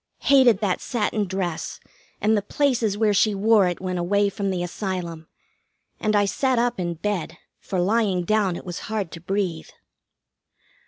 Hated that satin dress, and the places where she wore it when away from the Asylum; and I sat up in bed, for lying down it was hard to breathe.